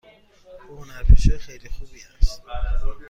او هنرپیشه خیلی خوبی است.